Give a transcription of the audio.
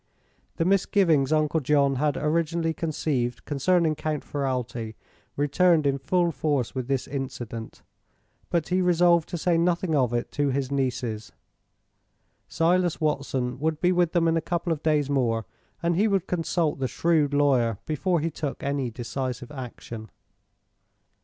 The misgivings Uncle John had originally conceived concerning Count Ferralti returned in full force with this incident; but he resolved to say nothing of it to his nieces. Silas Watson would be with them in a couple of days more and he would consult the shrewd lawyer before he took any decisive action.